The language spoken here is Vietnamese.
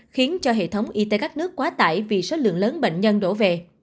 khiến cho hệ thống y tế các nước quá tải vì số lượng lớn bệnh nhân đổ về